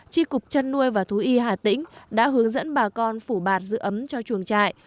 tri cục chăn nuôi và thú y hà tĩnh đã hướng dẫn bà con phủ bạt giữ ấm cho chuồng trại